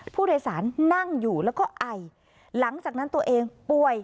ผู้โดยสารนั่งอยู่แล้วก็ไอหลังจากนั้นตัวเองป่วย